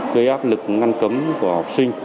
gây áp lực ngăn cấm của học sinh